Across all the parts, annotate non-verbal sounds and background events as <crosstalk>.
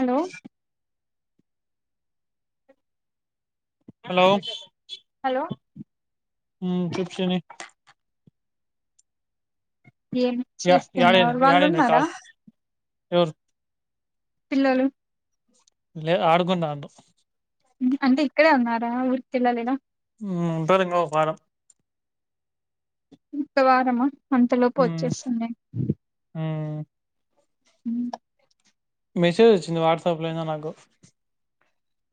Hello hello hello ఉం చెప్పు చిన్ని ఏం యా యారేనా చేస్తున్నారు వాళ్ళు యారేనా ఉన్నారా కాల్ ఎరు <unintelligible> పిల్లలు లే ఆడుకుంటున్నారు అంటే ఇక్కడే ఉన్నారా ఊరి కెళ్ళ లేదా ఉం ఉంటారు ఇంగ ఒక వారం ఇంతవారము అంతలోపు మ్మ్ వచ్చేస్తుంది మ్మ్ ఉం మెసేజ్ వచ్చింది వాట్సాప్ లో అయినా నాకు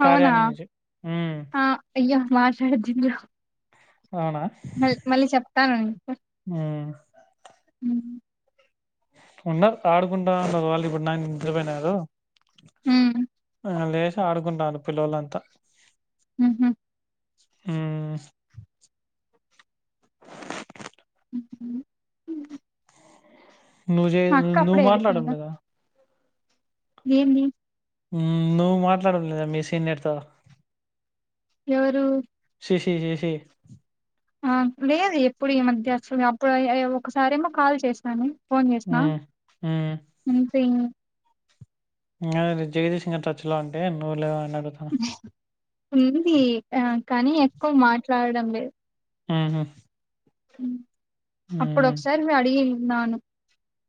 కార్య అవునా నుంచి మ్మ్ అయ్యా మాషడంద <unintelligible> అవునా మ మళ్ళీ చెప్తాన నీకు మ్మ్ ఉన్నారు ఆడుకుంటా ఉన్నారు వాళ్ళు ఇప్పుడు నా నిద్రపోయినద <unintelligible> ఉం లేచి ఆడుకుంటున్నారు పిల్లోలంతా హ హమ్ ఉం నువ్వు చే మా అక్క నువ్వు అప్పుడే మాట్లాడట వెళ్ళిపోయిందా లేదా ఏంది ఉం నువ్వు మాట్లాడట లేదా మీ సీనియర్తో ఎవరు శీ <unintelligible> ఆ లేదు ఎప్పుడు ఈ మధ్య అసలు అప్పుడు ఒకసారేమో కాల్ చేశాను ఉం ఉం సింగ్ <unintelligible> అదేలే జగదీష్ గిన టచ్ లో అంటే నువ్వు లేవ అని అడుగుతాను ఉంది ఆ కానీ ఎక్కువ మాట్లాడడం లేదు ఆహా అప్పుడు ఒకసారి మీ అడిగిన్నాను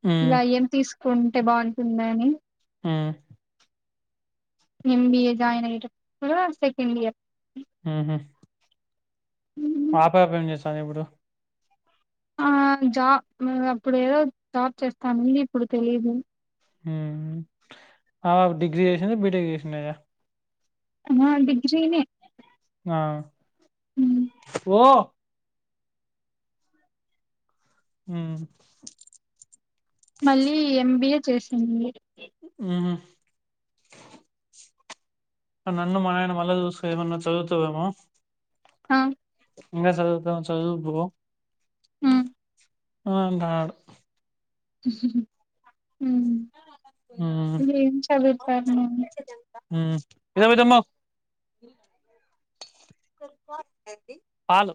హ్మ్. ఇలా ఏం తీసుకు కుంటే బాగుంటుంది అని ఉం ఎంబిఏ జాయిన్ అయ్యే టప్పుడు సెకండ్ ఇయర్ హ హమ్ ఆప ఆప ఏం చేస్తాను ఇప్పుడు <unintelligible> ఆ జాబ్ అప్పుడు ఏదో జాబ్ చేస్తాంది ఇప్పుడు తెలీయదు ఉం డిగ్రీ చేసింద బిటెక్ చేసింద ఆ డిగ్రీనే ఆ ఓ హ్మ్ మళ్ళీ ఎం బి ఏ చేసింది హ్మ్ నన్ను మా ఆయన మళ్ళీ చూసుకు ఏమన్నా చదువుతవేమో ఆ ఇంగ చదు చదువు పో ఉ అవుంట ఆడు హ్మ్. ఉ ఏం చదువ్తాళ్ళు హ్మ్ ఏదా విధమ్మా పాలు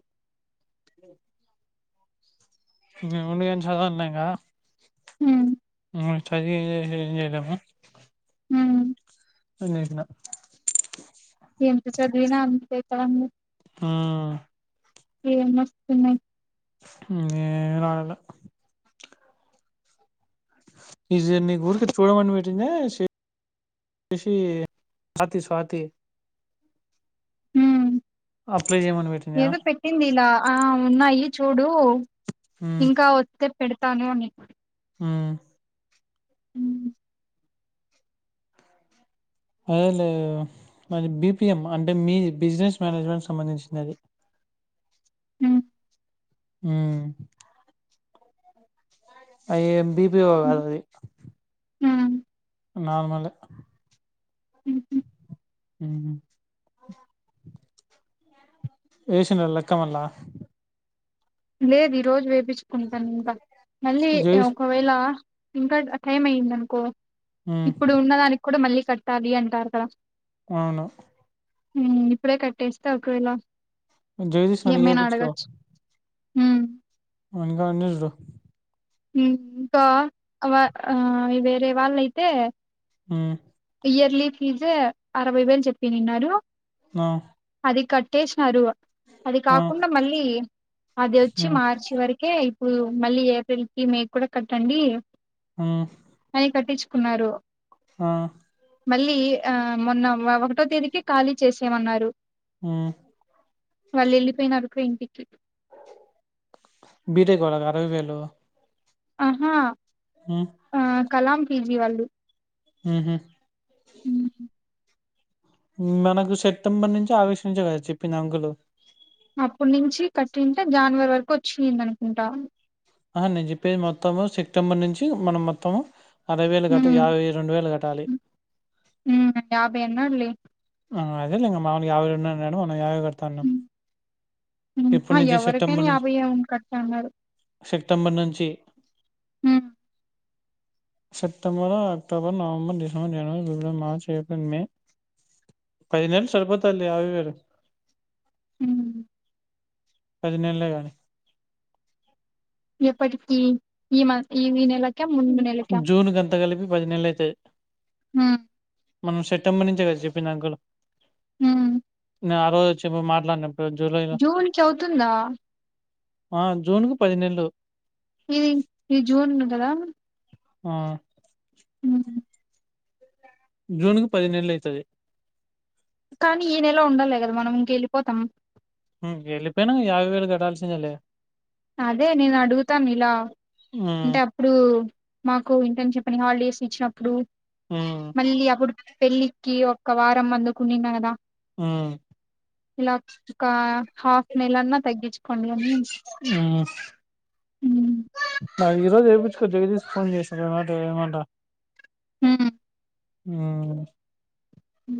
మేవుండి చదువంలే ఇంగ ఉమ్, చదివి ఏం చేయలేము హ్మ్ నిన్న అ ఆ ఏ మస్త ఉన్నయ్ ఏం రాలలో ఇది ఊరుకి చూడమని వెట్టిందా ఎస్ సి స్తి స్వాతి అ ఏదో పెట్టింది ఇలా ఆ ఉన్నాయి చూడు హ్మ్. ఇంకా వత్తెప్ పెడతాను అని హ్మ్ హ్మ్ అదే మ బి పి ఎం అంటే మీ బిజినెస్ మేనేజ్మెంట్ సంబంధించినది ఉ హ్మ్ అ ఎం బి పి ఓ హ్మ్. కాదది హ్మ్ నార్మలే హ్మ్ ఉ హ్మ్ వేసినవా లెక్క మల్లా లేదు ఈ రోజు వేపిచుకుంటాను ఇంకా మళ్ళీ జగదీష్ ఒకవేళ ఇంకా టైం అయ్యింది అనుకో ఉమ్ ఇప్పుడు ఉన్నదానికి కూడా మళ్ళీ కట్టాలి అంటారు కదా అవును హ్మ్ ఇప్పుడే కట్టేస్తా ఒకవేలా జగదీష్ ని అడిగి ఏపిచ్చుకో హ్మ్ వాని కాన్నే నిజడు ఇంకా ఆ వేరే వాళ్ళయితే అ ఇయర్లీ ఫీజే అరవై వేలు చెప్పిన్నారు అ అది కట్టేసినారు అది కాకుండా మళ్ళీ అది వచ్చి ఉమ్ మార్చి వరకే కు మళ్ళీ ఏప్రిల్ కి మే కూడా కట్టండి ఆ కున్నారు ఆ మళ్ళీ ఆ మొన్న ఒకటో తేదీకి ఖాళీ చేసేయమన్నారు అ వాళ్ళు వెళ్ళిపోయినరు ఇంకో ఇంటికి బిటేక్ వాళ్లకు అరవై వేయిలు ఆహా ఆ ఆహ్, కలాం పీజీ వాళ్ళు మ్ హు మ్ మనకు సెప్టెంబర్ నుంచి ఆగస్టు నుంచే కదా చెప్పింది అంకులు అప్పడి నుంచి కట్టింటే జనవరి వరకు వచ్చింది అనుకుంటా ఆ హా నేను చెప్పేది మొత్తము సెప్టెంబర్ నుంచి మనం మొత్తము అరవై వేలు కట్ట హ్మ్. యాభై రెండు వేలు కట్టాలి హ్మ్. అన్నాడులే. అదే లే ఇగ మా వోణికి యాభై రెండు అన్నడు మనం యాభై తనం హ్మ్. హ్మ్. ఇప్పడు ఆ! నుంచి ఎవరికైనా సెప్టెంబర్ నుం కట్ట అన్నారు. సెప్టెంబర్ నుంచి మ్ సెప్టెంబరు అక్టోబర్ నవంబర్ డిసంబర్ జనవరి ఫిబ్రవరి మార్చ్ ఏప్రిల్ మే పదిహేను వేలు సరిపోతాయి లే యాభై వేలు మ్ పదిినెళ్ళే కానీ ఎప్పటికిీ ఈ మా నెల జూన్ కంతా కలిపి పది నెళ్లయితాయి హ్మ్. మనం సెప్టెంబర్ నుంచిే కదా చెప్పింది అంకలు మ్ ఆరోజు వచ్చినప్పుడు మాట్లాడినం జూన్ చవుతుందా ఆ జూన్ కు పది నెళ్లు మ్ ఇది జూన్ కదా ఆ మ్ జూన్ కు పదిినేళ్ళు అయితది కానీ ఈ నెల ఉండాలే కదా మనం ఇంకెళ్ళిపోతాం మ్ వెళ్ళిపోయినా యాభై వేలు గట్టాల్సిందే లే అదే నేను అడుగుతాను ఇలా ఉమ్ అంటే అప్పుడు మాకు ఇంటర్ని చెప్పని హాలిడేస్ ఇచ్చినప్పుడు ఉమ్ మళ్ళీ అప్పుడు పెళ్ళికి ఒక్క వారం అందుకునిన్న కదా ఉమ్ ఇలా ఒక హాఫ్ నెల్ అన్నా తగ్గించుకోండి అనీ. అ. ఈరోజు చేపిచుకో జగదీష్ ఫోన్ చేసిన ఏమంట ఏమంట. హ్మ్. ఉమ్. హ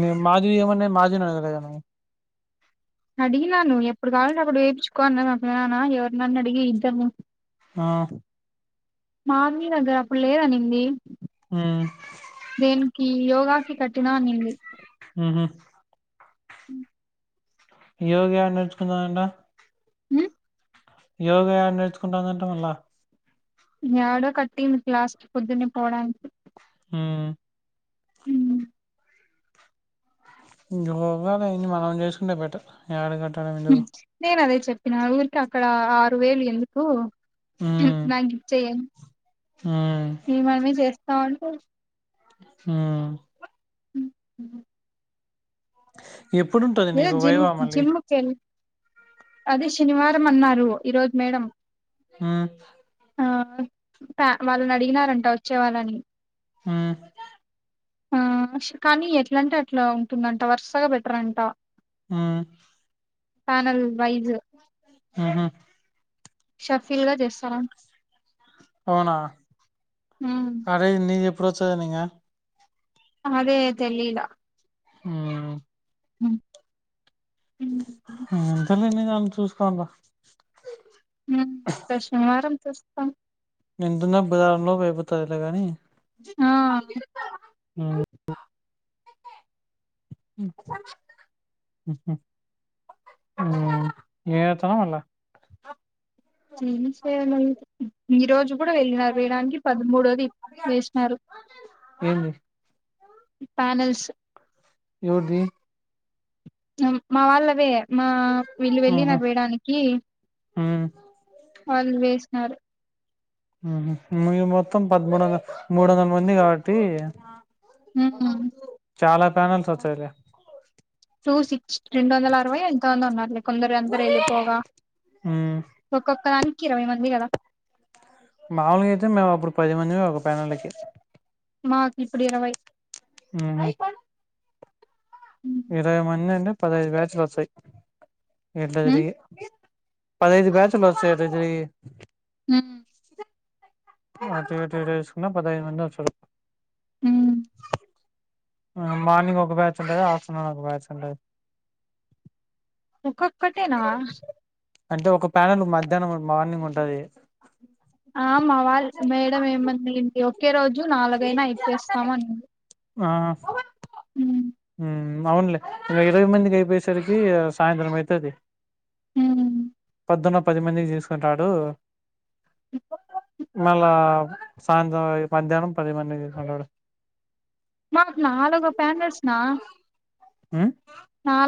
మీది మాధువి ఎమ మాధుని అడగాలి కదా మీరు. అడిగినాను ఎప్పుడు కావాలంటే అప్పుడు వేయిచుకో నా నాన్న ఎవరినన్ను అడిగి ఇద్దాము. ఆ. మామీ దగ్గర అప్పుడు లేదనింది ఉమ్ దేనికి యోగా. కి కట్టినా అంది. హ్మ్. హు. యోగ నేర్చుకుందాం అన్న. హుమ్మ్. యోగా ఏడ నేర్చుకుంటాందంటే మళ్ళా. యాడ కట్టింగ్ గ్లాస్ పొద్దున్నే పోవడానికి. ఉమ్. ఉమ్, హుమ్మ్ యోగ మనం చేసుకుంటే బెటర్ ఎడా కటక. నేను అదే చెప్పిన ఊరికి అక్కడ ఆరు వేలు ఎందుకు. హుమ్మ్ ఉమ్ నాకు ఇచయే ఉమ్ మేం అన్ని చేస్తా ఉంటే. ఆ. ఎప్పుడుంటది ఏద నీకు జిమ్ వైవా మళ్ళీ జిమ్ కెళ్తే. అదే శనివారం అన్నారు ఈరోజు మేడం. ఆ. ఆ వాళ్ళని అడిగినారంట వచ్చే వాళ్ళని. హ్మ్. ఆ కానీ ఎట్లంటే అట్లా ఉంటుందంట వరుసగా బెటర్ అంట. హుమ్. Panel wise. ఆహ. షఫిల్ గా చేస్తరంట. అవునా ఉమ్ అదే నేనెప్పుడు వచ్చదనింగ. అదే తెలిలా. అవునా. ఎంతలే నీ దాన్ని చూస్తావుండు. శనివారం చూస్తాం. ఎంతుంన బజారలో పేపుతది గానీ. ఆ హామ్. ఉహు ఉమ్ ఎం చేతనవ్ అన్న. ఫీలింగ్స్ లెవ్వనది ఈరోజు. ఇప్పుడూ వెళ్ళినారు వేయడానికి పదమూడోది వేసినారు. ఏంది ప్యానెల్స్ యేవర్ధీ మా వాళ్ళదే మా వీళ్ళు వెళ్ళి ఆహా నాకు వేయడానికీ ఉమ్ ఆల్ వేస్ <unintelligible> మీరు మొత్తం పదమూడొంద మూడందల మంది కాబట్టీ హ్మ్. చాలా ప్యానెల్స్ ఒచ్చాయిలే టూ సిక్స్ రెండందలరవై ఎంతమందో ఉన్నారులే కొందరు అందరు ఎళ్ళిపోగా ఊ ఒక్కదానికి ఇరవై మంది గదా మాములుగయితే మేమప్పుడు పది మందిమి ఒక ప్యానళ్ళకి మాకిప్పుడిరవై <unintelligible> హ్మ్. ఇరవై మందంటే పదైదు బ్యాచులొస్తయ్ ఎట్ల హ్మ్. తిరిగి పదైదు బ్యాచులొస్తయ ఎట్ల తిరిగీ <unintelligible> అటూ ఇటూ ఎటేస్కున్న పదైదు మందొస్తరు ఊ మార్నింగ్ ఒక బ్యాచ్ ఉంటది ఆఫ్టర్నూన్ ఒక బ్యాచ్ ఉంటది. ఒకొక్కటేనా అంటే ఒక ప్యానలు మధ్యానం మార్నింగ్ ఉంటది. ఆ మా వాల్ మేడం ఏమంది అంటె ఒకే రోజు నాలుగైనా ఇచ్చేస్తాము అనింది ఆ హ్మ్. ఊ అవునులే ఇలా ఇరవై మందికి అయిపోయేసరికీ సాయంత్రం అయితది హ్మ్. పొద్దున పది మందికి తీసుకుంటాడూ మళ్ళా సాయంత్రం మధ్యాహ్నం పది మందికి తీసుకుంటాడు మాక్ నాలుగు ప్యానెల్స్ నా ఉ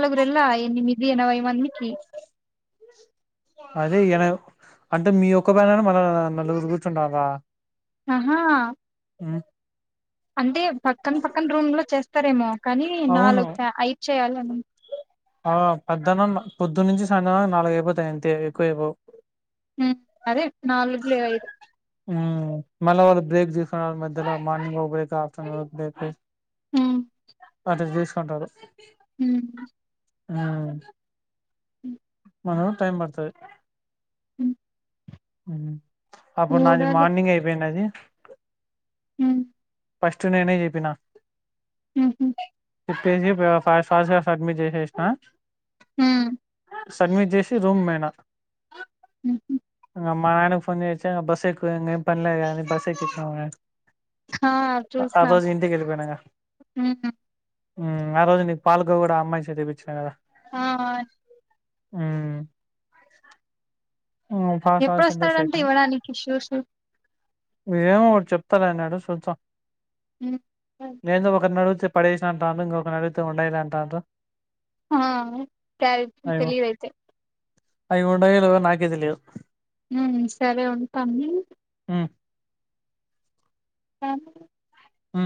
నాలుగు రెండ్లా ఎనిమిది ఎనవై మందికి యేన అంటే మీ ఒక్క ప్యనెల మల నలుగురు కూర్చుంటాన్రా అహా <unintelligible> అంటే పక్కన్ పక్కన్ రూమ్ లో చేస్తరేమో కనీ అవును నాలుగు ప్యా అయిదు చేయాలన్ ఆ పద్ధనన్న పొద్దున్నుంచి సాయంత్రంవా నాలుగయిపోతాయి అంతే ఎక్కువ అయిపోవు ఉ అరే నాలుగు లేద ఐదు ఊ మళ్ళ వాళ్లు బ్రేక్ తీసుకొంటారు మధ్యలో మార్నింగ్ ఓ బ్రేక్ ఆఫ్టర్నూన్ ఒక్ బ్రేక్ తిస్ ఆ అంటే తీసుకుంటారు ఊ ఊ <inaudible> మన టైమ్ బడుతది <inaudible> ఊ అప్పున్నాది చూడాలి మార్నింగ్ అయిపోయిండాదీ ఉ ఫస్ట్ నేనే చెప్పినా మ్ చెప్పేసి ఫ ఫాస్ట్ ఫాస్ట్ గా సబ్మిట్ చేసేసినా మ్ సడ్మిట్ చేసి రూమ్ కి పోయినా మ్ హు మా నాన్న ఫోన్ చేసి బస్ ఎక్కు రా ఇంకేం పని లేదు కదా బస్ ఆ ఆ చూసినాం రోజు ఇంటికి పోయినా ఇంగ ఉమ్ ఆ రోజు నీకు పాల్కోవానీ కూడా అమ్మాయితో ఇప్పించాను కదా. ఆ మ్ ఉ పాస్ అయితా సిలబస్ ఎప్పుడొస్తాడంటే అయితే ఇవ్వడానికి షూస్ ఉమ్ ఏమోలే మరి చెప్తాలే అన్నాడు చూత్తా ఏందో ఒకరిని అడిగితే పడేసిన అంత అందంగా ఇక ఉండాయ్ లే అంత ఆ చాయ్ తెలియదు అయితే అయి ఉండాయో లేవో నాకు తెలియదు. ఉ సరే ఉంటాము <inaudible> మ్ మ్